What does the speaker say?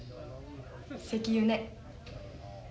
石油ね。